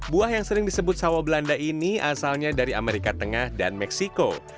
buah yang sering disebut sawah belanda ini asalnya dari amerika tengah dan meksiko